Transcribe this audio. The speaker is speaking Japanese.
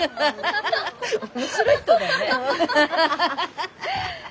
面白い人だね！